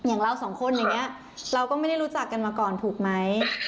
อย่างเราสองคนอย่างนี้เราก็ไม่ได้รู้จักกันมาก่อนถูกไหม